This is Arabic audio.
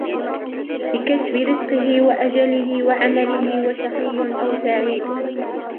بِكَتْبِ رِزْقِهِ وَأَجَلِهِ وَعَمَلِهِ وَشَقِيٌّ أوْ سَعِيدٌ.